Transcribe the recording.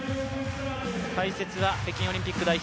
解説は北京オリンピック代表